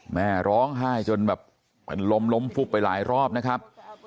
แม่ร้องไห้จนแบบเป็นลมล้มฟุบไปหลายรอบนะครับ